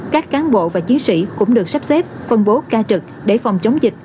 các cán bộ và chiến sĩ cũng được sắp xếp phân bố ca trực để phòng chống dịch